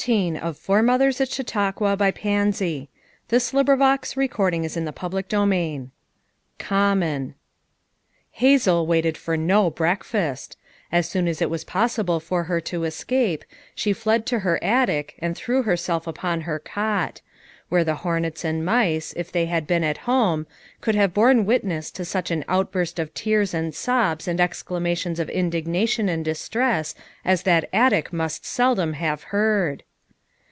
Of one thing she was very glad; that she had said not a word about that pongee coat. CHAPTEE XVII "common" Hazel waited for bo breakfast; as soon as it was possible for her to escape, slie fled to her attic and threw herself upon her cot; where the hornets and mice, if they had been at home, could have borne witness to such an outburst of tears and sobs and exclamations of indigna tion and distress as that attic must seldom have heard.